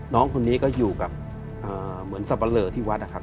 น้องคนนี้ก็อยู่กับเหมือนสับปะเลอที่วัดนะครับ